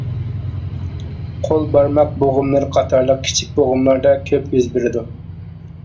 قول بارماق بوغۇملىرى قاتارلىق كىچىك بوغۇملاردا كۆپ يۈز بېرىدۇ.